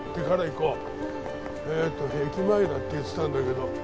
えっと駅前だって言ってたんだけど。